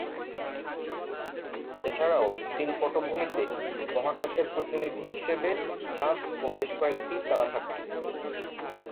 এছাড়াও নীল পটভূমিতে মহাকাশের প্রতিনিধি হিসেবে চাঁদ ও বেশকয়েকটি তারা থাকতো।